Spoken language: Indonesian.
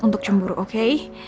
untuk cemburu oke